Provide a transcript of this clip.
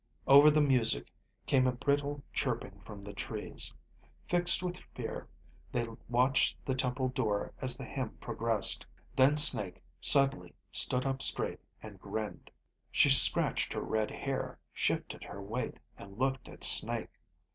_" Over the music came a brittle chirping from the trees. Fixed with fear, they watched the temple door as the hymn progressed. Then Snake suddenly stood up straight and grinned. She scratched her red hair, shifted her weight, and looked at Snake.